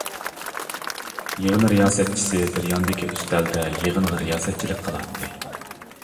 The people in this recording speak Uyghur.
يىغىن رىياسەتچىسى بىر ياندىكى ئۈستەلدە يىغىنغا رىياسەتچىلىك قىلاتتى.